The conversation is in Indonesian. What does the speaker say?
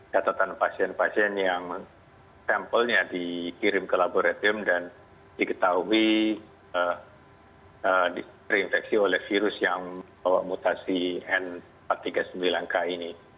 catatan pasien pasien yang sampelnya dikirim ke laboratorium dan diketahui terinfeksi oleh virus yang membawa mutasi n empat ratus tiga puluh sembilan k ini